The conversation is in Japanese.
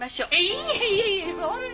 いえいえいえそんな。